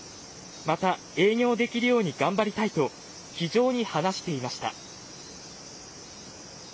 また営業できるように頑張りたいと気丈に話していました。